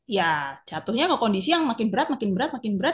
ya jatuhnya ke kondisi yang makin berat makin berat makin berat